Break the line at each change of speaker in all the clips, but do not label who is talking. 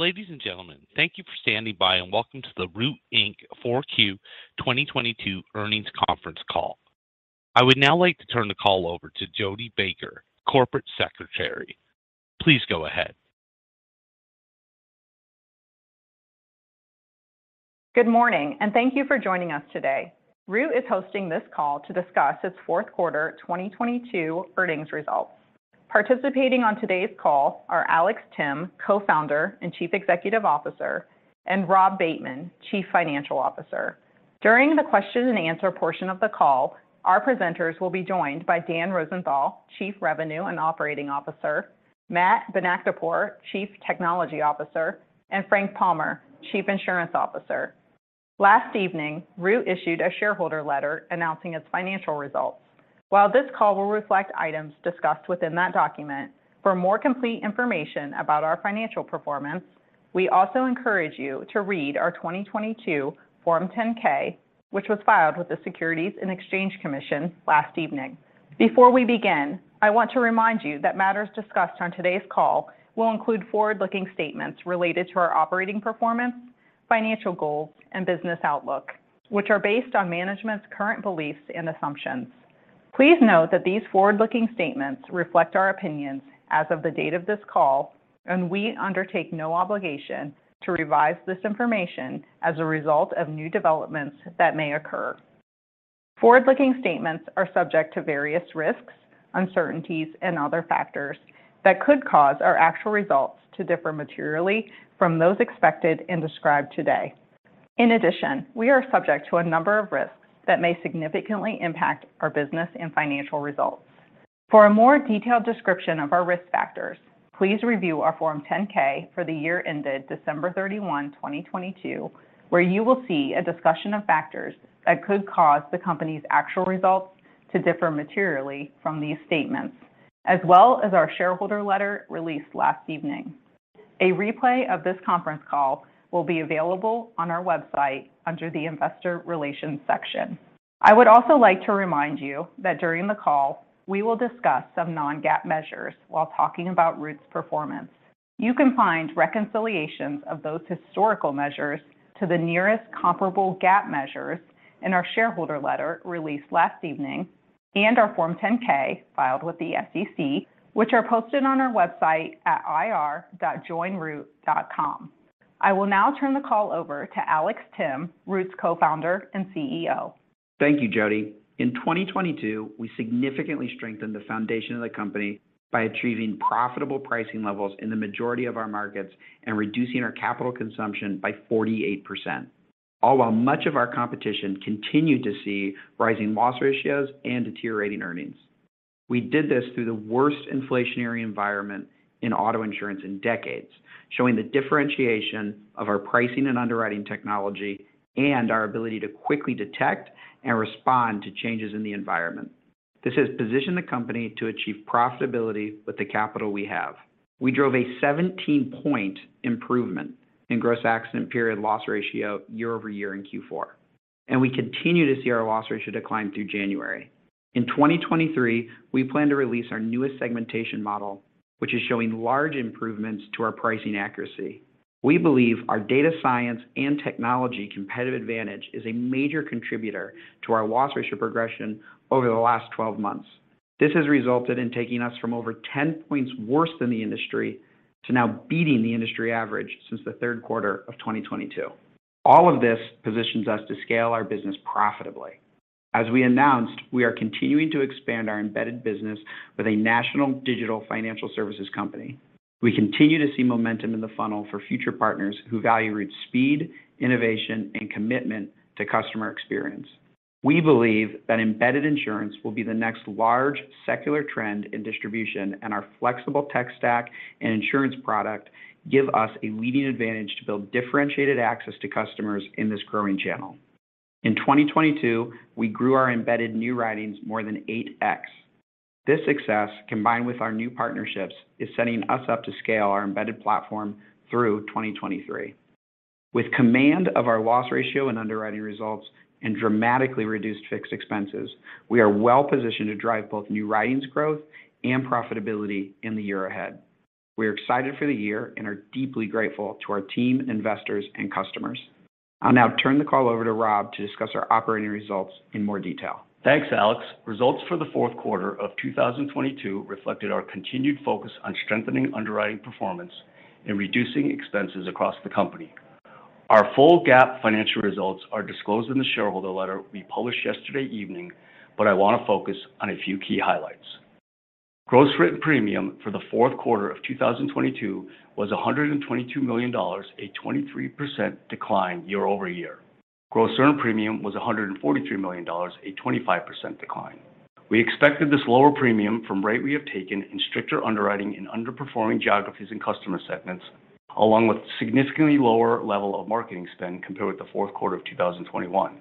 Ladies and gentlemen, thank you for standing by. Welcome to the Root, Inc. 4Q 2022 earnings conference call. I would now like to turn the call over to Jodi Baker, Corporate Secretary. Please go ahead.
Good morning, and thank you for joining us today. Root is hosting this call to discuss its fourth quarter 2022 earnings results. Participating on today's call are Alex Timm, Co-Founder and Chief Executive Officer, and Rob Bateman, Chief Financial Officer. During the question and answer portion of the call, our presenters will be joined by Dan Rosenthal, Chief Revenue and Operating Officer, Matt Bonakdarpour, Chief Technology Officer, and Frank Palmer, Chief Insurance Officer. Last evening, Root issued a shareholder letter announcing its financial results. While this call will reflect items discussed within that document, for more complete information about our financial performance, we also encourage you to read our 2022 Form 10-K, which was filed with the Securities and Exchange Commission last evening. Before we begin, I want to remind you that matters discussed on today's call will include forward-looking statements related to our operating performance, financial goals, and business outlook, which are based on management's current beliefs and assumptions. Please note that these forward-looking statements reflect our opinions as of the date of this call, and we undertake no obligation to revise this information as a result of new developments that may occur. Forward-looking statements are subject to various risks, uncertainties, and other factors that could cause our actual results to differ materially from those expected and described today. In addition, we are subject to a number of risks that may significantly impact our business and financial results. For a more detailed description of our risk factors, please review our Form 10-K for the year ended December 31, 2022, where you will see a discussion of factors that could cause the company's actual results to differ materially from these statements, as well as our shareholder letter released last evening. A replay of this conference call will be available on our website under the Investor Relations section. I would also like to remind you that during the call, we will discuss some non-GAAP measures while talking about Root's performance. You can find reconciliations of those historical measures to the nearest comparable GAAP measures in our shareholder letter released last evening and our Form 10-K filed with the SEC, which are posted on our website at ir.joinroot.com. I will now turn the call over to Alex Timm, Root's Co-Founder and CEO.
Thank you, Jodi. In 2022, we significantly strengthened the foundation of the company by achieving profitable pricing levels in the majority of our markets and reducing our capital consumption by 48%, all while much of our competition continued to see rising loss ratios and deteriorating earnings. We did this through the worst inflationary environment in auto insurance in decades, showing the differentiation of our pricing and underwriting technology and our ability to quickly detect and respond to changes in the environment. This has positioned the company to achieve profitability with the capital we have. We drove a 17-point improvement in gross accident period loss ratio year-over-year in Q4, and we continue to see our loss ratio decline through January. In 2023, we plan to release our newest segmentation model, which is showing large improvements to our pricing accuracy. We believe our data science and technology competitive advantage is a major contributor to our loss ratio progression over the last 12 months. This has resulted in taking us from over 10 points worse than the industry to now beating the industry average since the third quarter of 2022. All of this positions us to scale our business profitably. As we announced, we are continuing to expand our embedded business with a national digital financial services company. We continue to see momentum in the funnel for future partners who value its speed, innovation, and commitment to customer experience. We believe that embedded insurance will be the next large secular trend in distribution, and our flexible tech stack and insurance product give us a leading advantage to build differentiated access to customers in this growing channel. In 2022, we grew our embedded new writings more than 8x. This success, combined with our new partnerships, is setting us up to scale our embedded platform through 2023. With command of our loss ratio and underwriting results and dramatically reduced fixed expenses, we are well positioned to drive both new writings growth and profitability in the year ahead. We're excited for the year and are deeply grateful to our team, investors, and customers. I'll now turn the call over to Rob to discuss our operating results in more detail.
Thanks, Alex. Results for the fourth quarter of 2022 reflected our continued focus on strengthening underwriting performance and reducing expenses across the company. Our full GAAP financial results are disclosed in the shareholder letter we published yesterday evening. I want to focus on a few key highlights. Gross written premium for the fourth quarter of 2022 was $122 million, a 23% decline year-over-year. Gross earned premium was $143 million, a 25% decline. We expected this lower premium from rate we have taken in stricter underwriting in underperforming geographies and customer segments, along with significantly lower level of marketing spend compared with the fourth quarter of 2021.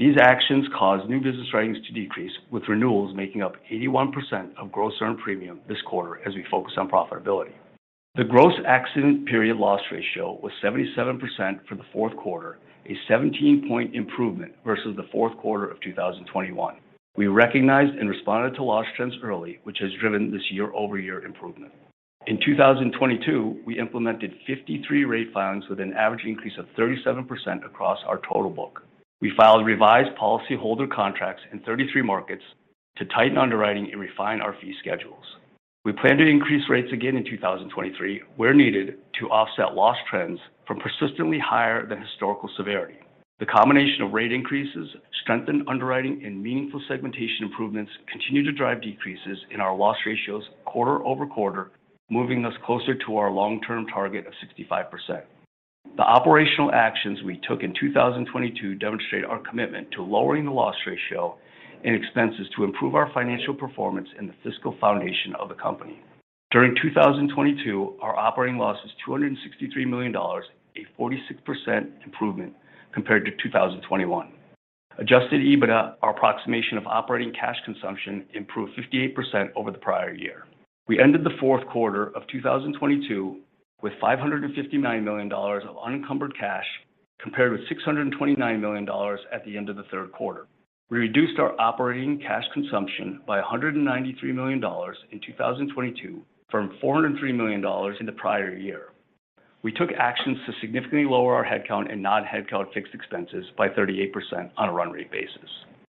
These actions caused new business writings to decrease, with renewals making up 81% of gross earned premium this quarter as we focus on profitability. The gross accident period loss ratio was 77% for the fourth quarter, a 17-point improvement versus the fourth quarter of 2021. We recognized and responded to loss trends early, which has driven this year-over-year improvement. In 2022, we implemented 53 rate filings with an average increase of 37% across our total book. We filed revised policyholder contracts in 33 markets to tighten underwriting and refine our fee schedules. We plan to increase rates again in 2023 where needed to offset loss trends from persistently higher than historical severity. The combination of rate increases, strengthened underwriting, and meaningful segmentation improvements continue to drive decreases in our loss ratios quarter-over-quarter, moving us closer to our long-term target of 65%. The operational actions we took in 2022 demonstrate our commitment to lowering the loss ratio and expenses to improve our financial performance in the fiscal foundation of the company. During 2022, our operating loss was $263 million, a 46% improvement compared to 2021. Adjusted EBITDA, our approximation of operating cash consumption, improved 58% over the prior year. We ended the fourth quarter of 2022 with $559 million of unencumbered cash, compared with $629 million at the end of the third quarter. We reduced our operating cash consumption by $193 million in 2022 from $403 million in the prior year. We took actions to significantly lower our headcount and non-headcount fixed expenses by 38% on a run rate basis.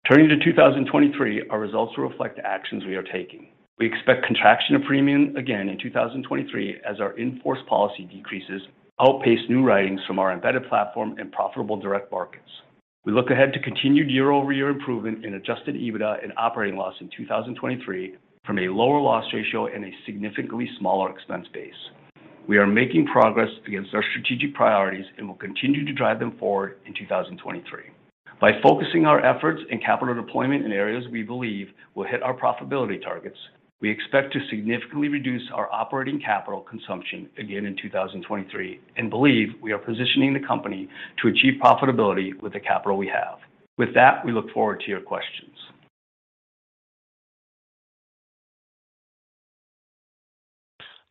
Turning to 2023, our results reflect the actions we are taking. We expect contraction of premium again in 2023 as our in-force policy decreases outpace new writings from our embedded platform and profitable direct markets. We look ahead to continued year-over-year improvement in Adjusted EBITDA and operating loss in 2023 from a lower loss ratio and a significantly smaller expense base. We are making progress against our strategic priorities and will continue to drive them forward in 2023. By focusing our efforts in capital deployment in areas we believe will hit our profitability targets, we expect to significantly reduce our operating capital consumption again in 2023 and believe we are positioning the company to achieve profitability with the capital we have. With that, we look forward to your questions.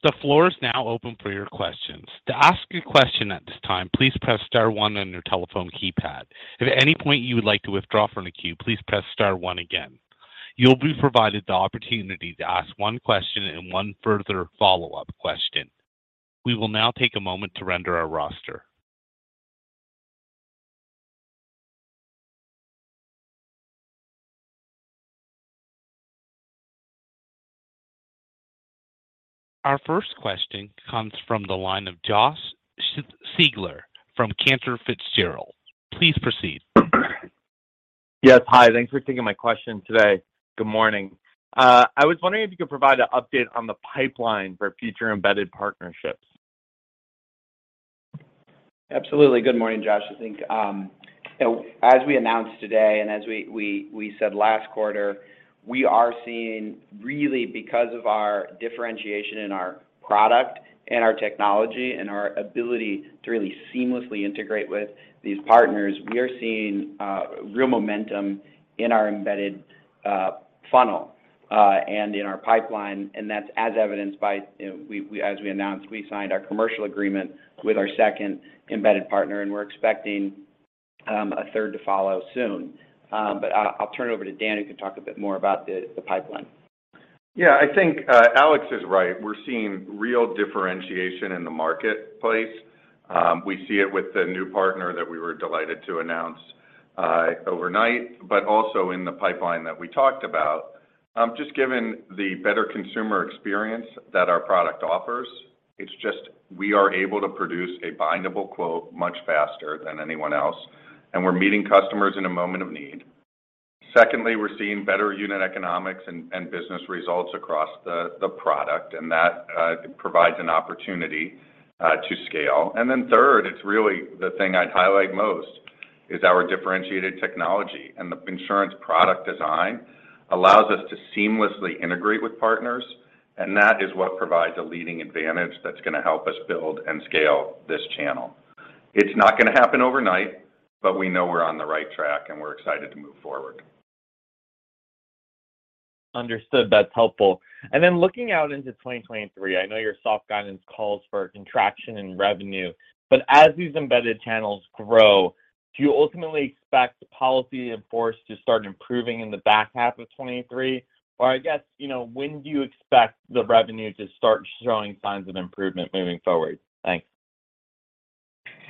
The floor is now open for your questions. To ask a question at this time, please press star one on your telephone keypad. If at any point you would like to withdraw from the queue, please press star one again. You'll be provided the opportunity to ask one question and one further follow-up question. We will now take a moment to render our roster. Our first question comes from the line of Josh Siegler from Cantor Fitzgerald. Please proceed.
Yes. Hi, thanks for taking my question today. Good morning. I was wondering if you could provide an update on the pipeline for future embedded partnerships.
Absolutely. Good morning, Josh. I think, you know, as we announced today and as we said last quarter, we are seeing really because of our differentiation in our product and our technology and our ability to really seamlessly integrate with these partners, we are seeing real momentum in our embedded funnel and in our pipeline, and that's as evidenced by, you know, we as we announced, we signed our commercial agreement with our second embedded partner, and we're expecting a third to follow soon. I'll turn it over to Dan, who can talk a bit more about the pipeline.
Yeah, I think, Alex is right. We're seeing real differentiation in the marketplace. We see it with the new partner that we were delighted to announce, overnight, but also in the pipeline that we talked about. Just given the better consumer experience that our product offers, it's just we are able to produce a bindable quote much faster than anyone else, and we're meeting customers in a moment of need. Secondly, we're seeing better unit economics and business results across the product, and that provides an opportunity to scale. Then third, it's really the thing I'd highlight most is our differentiated technology and the insurance product design allows us to seamlessly integrate with partners, and that is what provides a leading advantage that's going to help us build and scale this channel. It's not going to happen overnight, but we know we're on the right track, and we're excited to move forward.
Understood. That's helpful. Then looking out into 2023, I know your soft guidance calls for a contraction in revenue, as these embedded channels grow, do you ultimately expect the policy in force to start improving in the back half of 2023? I guess, you know, when do you expect the revenue to start showing signs of improvement moving forward? Thanks.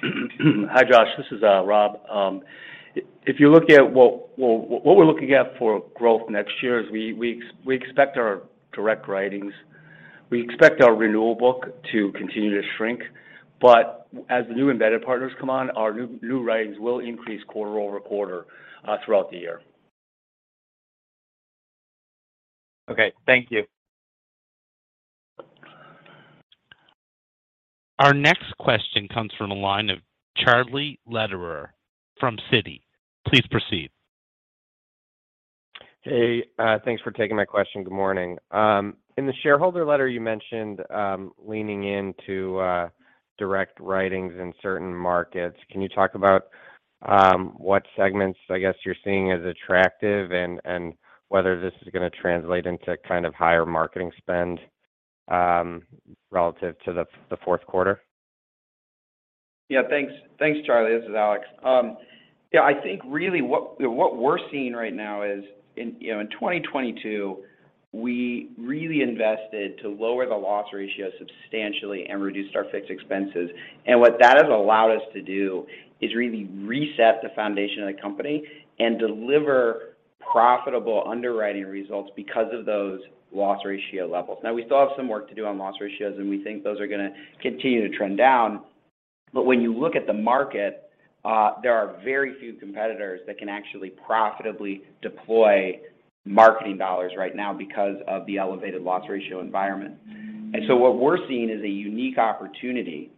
Hi, Josh. This is Rob. If you look at what we're looking at for growth next year is we expect our direct writings. We expect our renewal book to continue to shrink. But as the new embedded partners come on, our new writings will increase quarter-over-quarter, throughout the year.
Okay. Thank you.
Our next question comes from the line of Charlie Lederer from Citi. Please proceed.
Hey, thanks for taking my question. Good morning. In the shareholder letter you mentioned leaning into direct writings in certain markets. Can you talk about what segments I guess you're seeing as attractive and whether this is going to translate into kind of higher marketing spend relative to the fourth quarter?
Yeah, thanks. Thanks, Charlie. This is Alex. Yeah, I think really what we're seeing right now is in, you know, in 2022, we really invested to lower the loss ratio substantially and reduced our fixed expenses. What that has allowed us to do is really reset the foundation of the company and deliver profitable underwriting results because of those loss ratio levels. We still have some work to do on loss ratios, and we think those are gonna continue to trend down. When you look at the market, there are very few competitors that can actually profitably deploy marketing dollars right now because of the elevated loss ratio environment. What we're seeing is a unique opportunity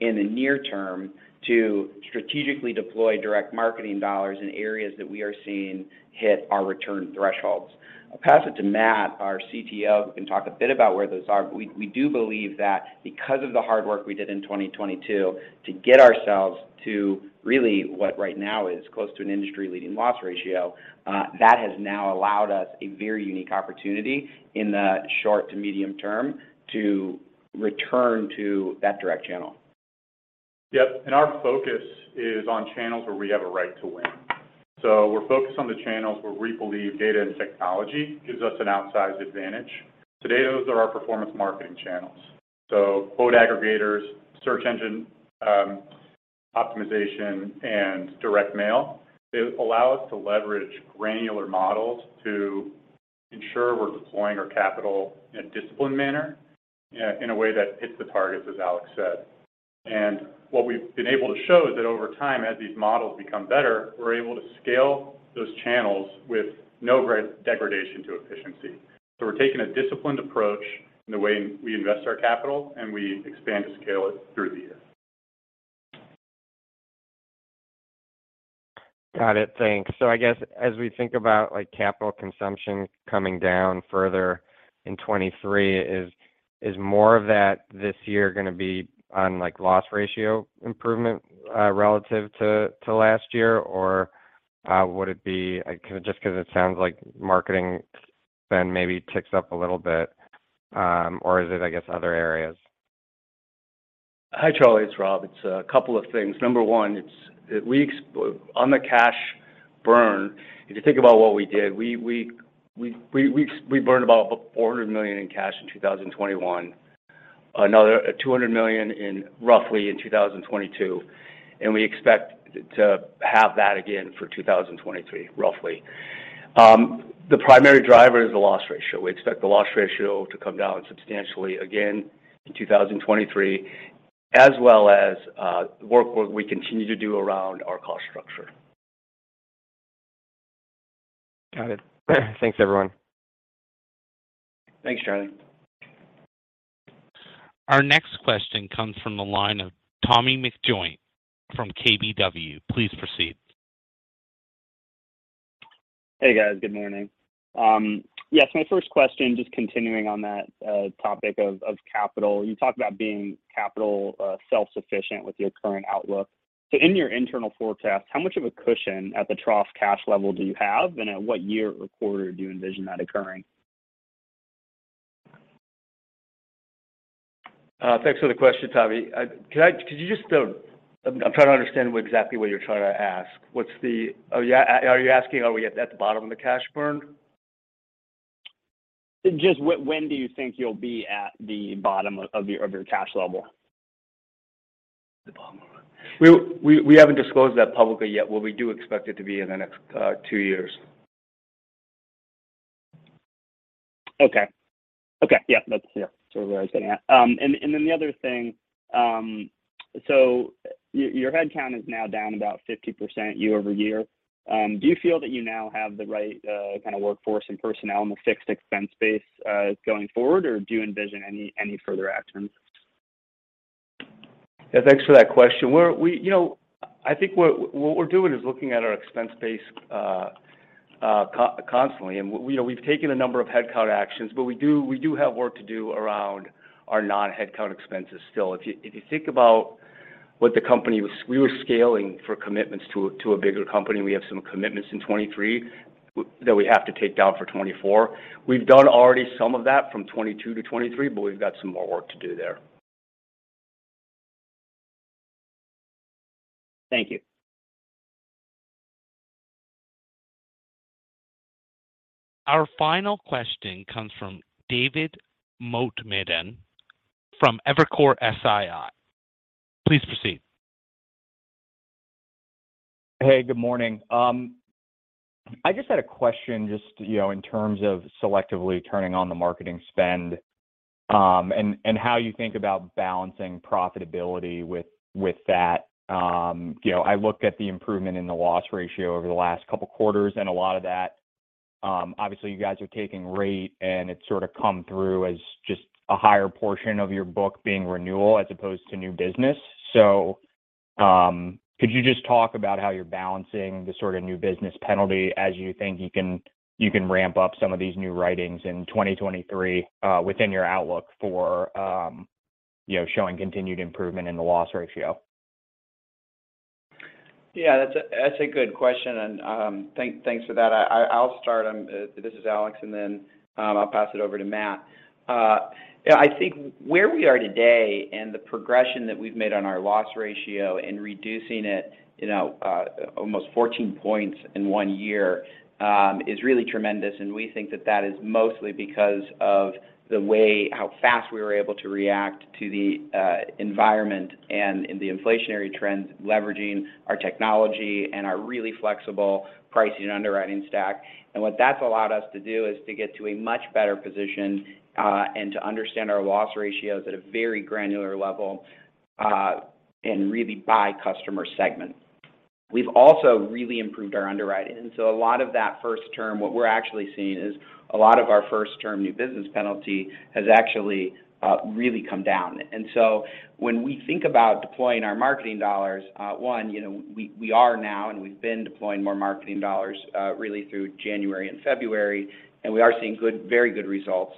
in the near term to strategically deploy direct marketing dollars in areas that we are seeing hit our return thresholds. I'll pass it to Matt, our CTO, who can talk a bit about where those are. We do believe that because of the hard work we did in 2022 to get ourselves to really what right now is close to an industry-leading loss ratio, that has now allowed us a very unique opportunity in the short to medium term to return to that direct channel.
Yep. Our focus is on channels where we have a right to win. We're focused on the channels where we believe data and technology gives us an outsized advantage. Today, those are our performance marketing channels. Quote aggregators, search engine optimization, and direct mail. They allow us to leverage granular models to ensure we're deploying our capital in a disciplined manner, in a way that hits the targets, as Alex said. What we've been able to show is that over time, as these models become better, we're able to scale those channels with no degradation to efficiency. We're taking a disciplined approach in the way we invest our capital, and we expand to scale it through the year.
Got it. Thanks. I guess as we think about, like, capital consumption coming down further in 2023, is more of that this year gonna be on, like, loss ratio improvement, relative to last year? Would it be just 'cause it sounds like marketing spend maybe ticks up a little bit, or is it, I guess, other areas?
Hi, Charlie. It's Rob. It's a couple of things. Number one, it's on the cash burn, if you think about what we did, we burned about $400 million in cash in 2021, another $200 million roughly in 2022, and we expect to have that again for 2023, roughly. The primary driver is the loss ratio. We expect the loss ratio to come down substantially again in 2023, as well as, work we continue to do around our cost structure.
Got it. Thanks, everyone.
Thanks, Charlie.
Our next question comes from the line of Tommy McJoynt from KBW. Please proceed.
Hey, guys. Good morning. Yes, my first question, just continuing on that topic of capital. You talked about being capital self-sufficient with your current outlook. In your internal forecast, how much of a cushion at the trough cash level do you have, and at what year or quarter do you envision that occurring?
Thanks for the question, Tommy. Could you just, I'm trying to understand what exactly you're trying to ask. Are you asking are we at the bottom of the cash burn?
Just when do you think you'll be at the bottom of your cash level?
The bottom. We haven't disclosed that publicly yet. We do expect it to be in the next two years.
Okay. Okay. Yeah, that's, yeah, sort of where I was getting at. Then the other thing, your headcount is now down about 50% year-over-year. Do you feel that you now have the right kind of workforce and personnel in the fixed expense base going forward, or do you envision any further actions?
Yeah. Thanks for that question. We, you know, I think what we're doing is looking at our expense base constantly. We, you know, we've taken a number of headcount actions, but we do have work to do around our non-headcount expenses still. If you, if you think about what the company was. We were scaling for commitments to a bigger company. We have some commitments in 23 that we have to take down for 24. We've done already some of that from 22-23, but we've got some more work to do there.
Thank you.
Our final question comes from David Motemaden from Evercore ISI. Please proceed.
Hey, good morning. I just had a question just, you know, in terms of selectively turning on the marketing spend, and how you think about balancing profitability with that. You know, I looked at the improvement in the loss ratio over the last couple quarters, and a lot of that, obviously, you guys are taking rate, and it's sort of come through as just a higher portion of your book being renewal as opposed to new business. Could you just talk about how you're balancing the sort of new business penalty as you think you can ramp up some of these new writings in 2023, within your outlook for, you know, showing continued improvement in the loss ratio?
Yeah, that's a, that's a good question, and thanks for that. I'll start, this is Alex, and then I'll pass it over to Matt. Yeah, I think where we are today and the progression that we've made on our loss ratio and reducing it, you know, almost 14 points in one year, is really tremendous. We think that that is mostly because of the way how fast we were able to react to the environment and in the inflationary trends, leveraging our technology and our really flexible pricing underwriting stack. What that's allowed us to do is to get to a much better position and to understand our loss ratios at a very granular level and really by customer segment. We've also really improved our underwriting. A lot of that first term, what we're actually seeing is a lot of our first-term new business penalty has actually really come down. When we think about deploying our marketing dollars, one, you know, we are now and we've been deploying more marketing dollars really through January and February, and we are seeing good, very good results.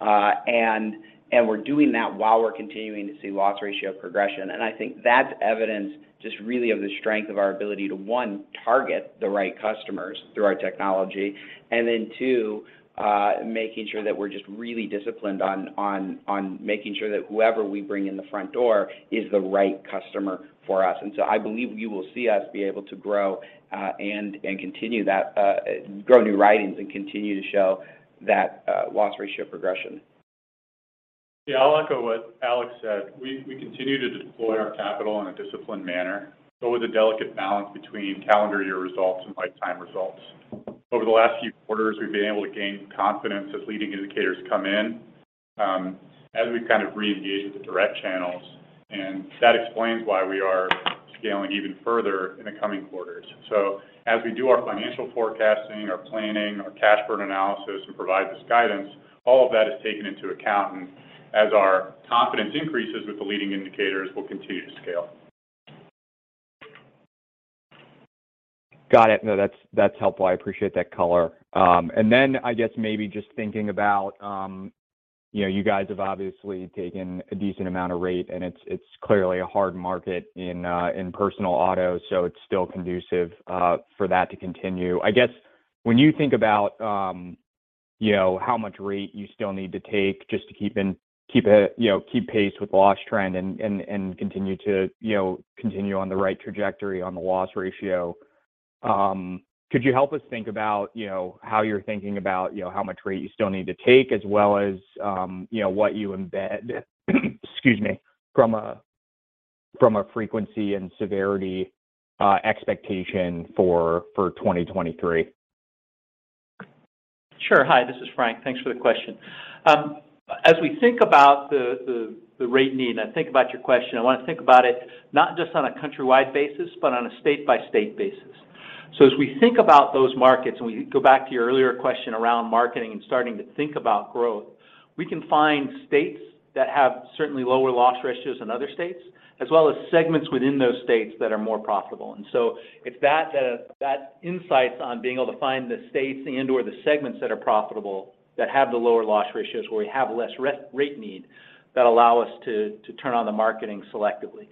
We're doing that while we're continuing to see loss ratio progression. I think that's evidence just really of the strength of our ability to, one, target the right customers through our technology, and then two, making sure that we're just really disciplined on making sure that whoever we bring in the front door is the right customer for us. I believe you will see us be able to grow, and continue that, grow new writings and continue to show that loss ratio progression.
I'll echo what Alex said. We continue to deploy our capital in a disciplined manner, but with a delicate balance between calendar year results and lifetime results. Over the last few quarters, we've been able to gain confidence as leading indicators come in, as we've kind of reengaged with the direct channels. That explains why we are scaling even further in the coming quarters. As we do our financial forecasting, our planning, our cash burn analysis, and provide this guidance, all of that is taken into account. As our confidence increases with the leading indicators, we'll continue to scale.
Got it. No, that's helpful. I appreciate that color. Then I guess maybe just thinking about, you know, you guys have obviously taken a decent amount of rate, and it's clearly a hard market in personal auto, so it's still conducive for that to continue. I guess when you think about, you know, how much rate you still need to take just to keep pace with loss trend and continue on the right trajectory on the loss ratio, could you help us think about, you know, how you're thinking about, you know, how much rate you still need to take, as well as, you know, what you embed, excuse me, from a frequency and severity expectation for 2023?
Sure. Hi, this is Frank. Thanks for the question. As we think about the rate need, I think about your question. I want to think about it not just on a countrywide basis, but on a state-by-state basis. As we think about those markets, and we go back to your earlier question around marketing and starting to think about growth, we can find states that have certainly lower loss ratios than other states, as well as segments within those states that are more profitable. It's that insights on being able to find the states and/or the segments that are profitable, that have the lower loss ratios, where we have less re-rate need, that allow us to turn on the marketing selectively.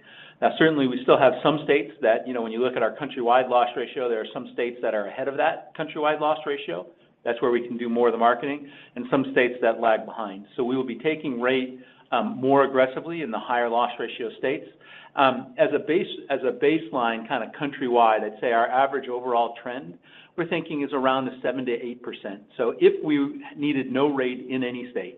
Certainly, we still have some states that, you know, when you look at our countrywide loss ratio, there are some states that are ahead of that countrywide loss ratio. That's where we can do more of the marketing and some states that lag behind. We will be taking rate more aggressively in the higher loss ratio states. As a baseline kind of countrywide, I'd say our average overall trend, we're thinking is around the 7%-8%. If we needed no rate in any state,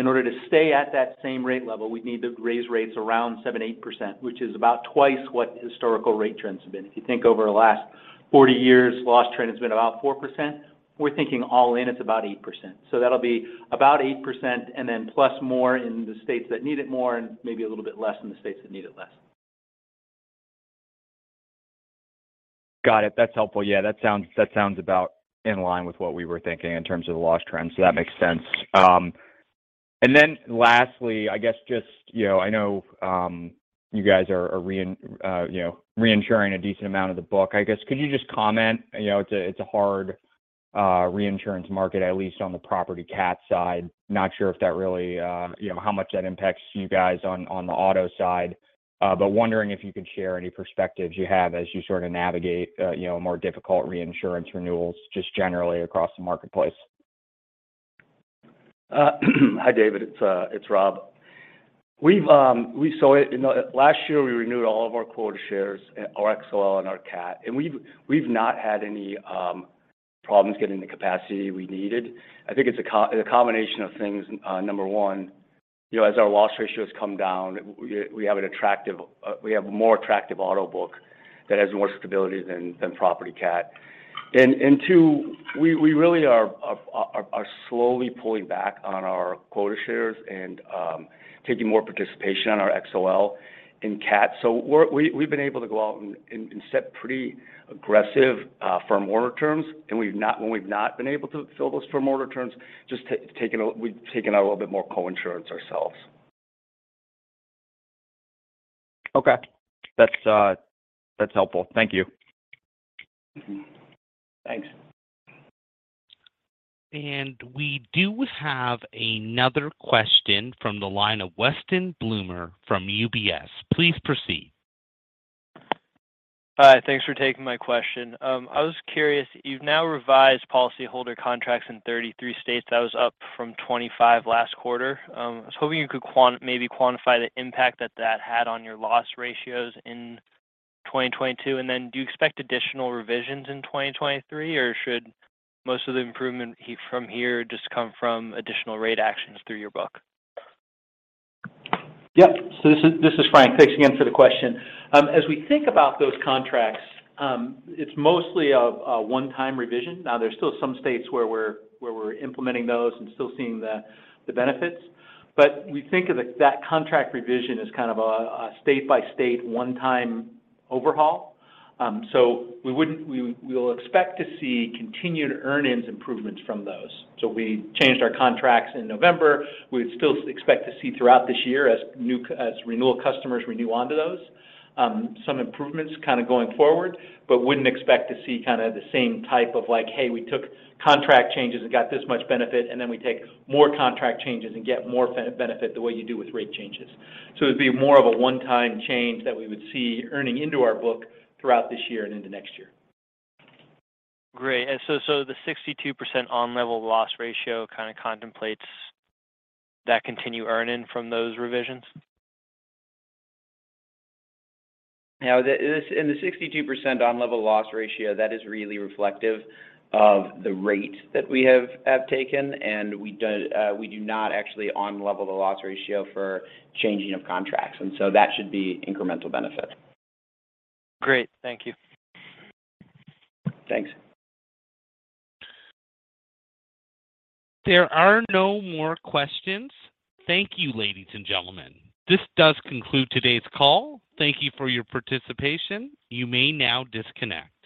in order to stay at that same rate level, we'd need to raise rates around 7%, 8%, which is about twice what historical rate trends have been. You think over the last 40 years, loss trend has been about 4%. We're thinking all in, it's about 8%. That'll be about 8% and then plus more in the states that need it more and maybe a little bit less in the states that need it less.
Got it. That's helpful. That sounds about in line with what we were thinking in terms of the loss trends. That makes sense. Lastly, I guess just, you know, I know, you guys are reinsuring a decent amount of the book. I guess, could you just comment, you know, it's a, it's a hard reinsurance market, at least on the property cat side. Not sure if that really, you know, how much that impacts you guys on the auto side. Wondering if you could share any perspectives you have as you sort of navigate, you know, more difficult reinsurance renewals just generally across the marketplace.
Hi, David. It's Rob. We saw it. You know, last year, we renewed all of our quota shares, our XOL and our cat, and we've not had any problems getting the capacity we needed. I think it's a combination of things. Number one, you know, as our loss ratios come down, we have an attractive, we have a more attractive auto book that has more stability than property cat. Two, we really are slowly pulling back on our quota shares and taking more participation on our XOL and cat. We've been able to go out and set pretty aggressive firm order terms. When we've not been able to fill those firm order terms, we've taken a little bit more co-insurance ourselves.
Okay. That's, that's helpful. Thank you.
Thanks.
We do have another question from the line of Weston Bloomer from UBS. Please proceed.
Hi. Thanks for taking my question. I was curious. You've now revised policyholder contracts in 33 states. That was up from 25 last quarter. I was hoping you could maybe quantify the impact that that had on your loss ratios in 2022. Do you expect additional revisions in 2023, or should most of the improvement from here just come from additional rate actions through your book?
Yep. This is Frank. Thanks again for the question. As we think about those contracts, it's mostly a one-time revision. Now, there's still some states where we're implementing those and still seeing the benefits, but we think of it, that contract revision as kind of a state-by-state one-time overhaul. We'll expect to see continued earn-ins improvements from those. We changed our contracts in November. We would still expect to see throughout this year as renewal customers renew onto those, some improvements kind of going forward, but wouldn't expect to see kind of the same type of like, "Hey, we took contract changes and got this much benefit, and then we take more contract changes and get more benefit," the way you do with rate changes. It'd be more of a one-time change that we would see earning into our book throughout this year and into next year.
Great. The 62% on level loss ratio kinda contemplates that continued earn-in from those revisions?
Yeah. In the 62% on level loss ratio, that is really reflective of the rate that we have taken, and we do not actually on level the loss ratio for changing of contracts. That should be incremental benefit.
Great. Thank you.
Thanks.
There are no more questions. Thank you, ladies and gentlemen. This does conclude today's call. Thank you for your participation. You may now disconnect.